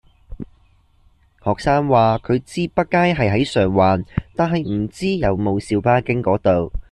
學生話佢知畢街係喺上環，但係唔知有冇小巴經嗰度